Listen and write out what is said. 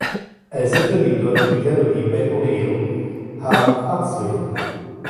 È seppellito al cimitero di Maple Hill ad Huntsville.